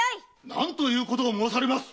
何ということを申されます。